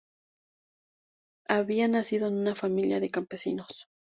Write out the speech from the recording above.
Había nacido en una familia de campesinos.